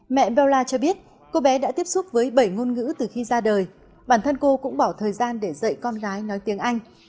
mẹ bella cho biết cô bé đã tiếp xúc với bảy ngôn ngữ từ khi ra đời bản thân cô cũng bỏ thời gian để dạy con gái nói tiếng anh